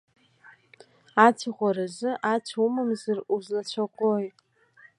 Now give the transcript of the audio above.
Ацәаӷәаразы ацә умамзар, узлацәаӷәои?